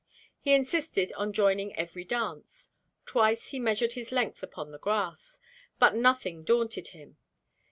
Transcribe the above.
He insisted on joining every dance. Twice he measured his length upon the grass, but nothing daunted him.